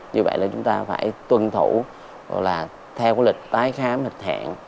như vậy là chúng ta phải tuân thủ theo cái lịch tái khám hạch hẹn